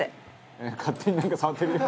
「勝手になんか触ってるよ」